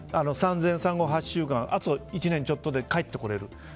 産前産後８週間あと１年ちょっとで帰ってこれる。